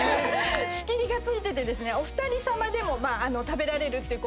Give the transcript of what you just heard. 仕切りが付いててお二人さまでも食べられる。